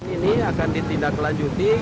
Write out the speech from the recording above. ini akan ditindaklanjuti